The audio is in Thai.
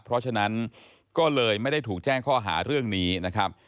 เพราะฉะนั้นก็เลยไม่ได้ถูกแจ้งข้อหาเรื่องนี้นะครับ